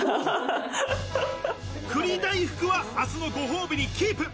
栗大福は明日のご褒美にキープ。